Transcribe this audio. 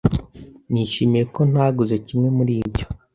Nishimiye ko ntaguze kimwe muri ibyo.